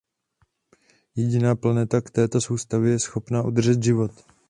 Jediná planeta v této soustavě je schopná udržet život.